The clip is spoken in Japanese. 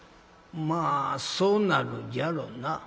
「まあそうなるじゃろな」。